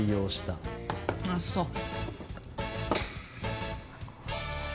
あっそう。